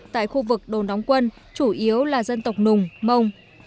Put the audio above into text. tại khu vực đồn đóng quân chủ yếu là dân tộc nùng mông